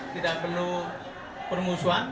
tidak perlu permusuhan